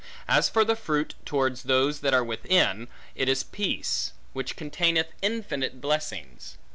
As for the fruit towards those that are within; it is peace; which containeth infinite blessings.